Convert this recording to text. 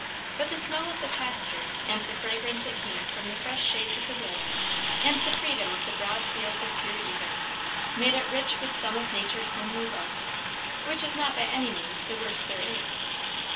But the smell of the pasture and the fragrance that came from the fresh shades of the wood, and the freedom of the broad fields of pure ether, made it rich with some of nature's homely wealth; which is not by any means the worst there is.